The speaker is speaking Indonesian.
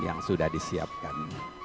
yang sudah disiapkan